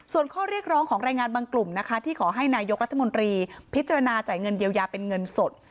ส่วนข้อเรียกร้องของแรงงานบางกลุ่มนะคะที่ขอให้นายกรัฐมนตรีพิจารณาจ่ายเงินเยียวยาเป็นเงินสด